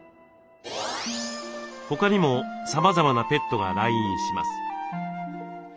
他にもさまざまなペットが来院します。